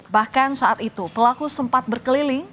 bahkan saat itu pelaku sempat berkeliling